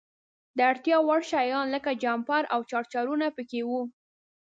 د اړتیا وړ شیان لکه جمپر او چارجرونه په کې وو.